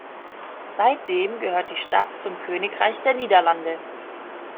Seitdem gehört die Stadt zum Königreich der Niederlande.